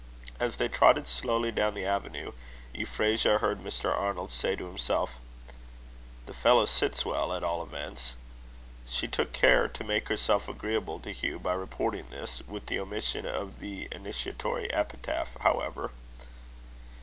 As they trotted slowly down the avenue, Euphrasia heard Mr. Arnold say to himself, "The fellow sits well, at all events." She took care to make herself agreeable to Hugh by reporting this, with the omission of the initiatory epithet, however.